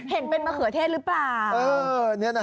เห็นเป็นมะเขือเทศหรือเปล่า